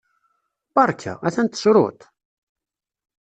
Berka! Atan tessruḍ-tt!